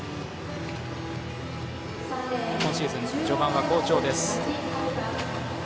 今シーズン序盤は好調です。